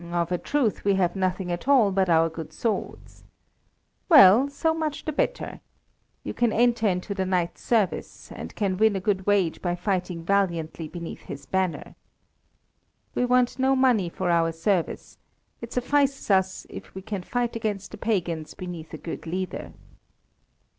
"Of a truth we have nothing at all but our good swords." "Well, so much the better. You can enter into the knight's service, and can win a good wage by fighting valiantly beneath his banner." "We want no money for our service; it suffices us if we can fight against the pagans beneath a good leader."